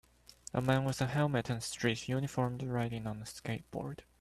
A man with a helmet and street uniformed riding on a skateboard.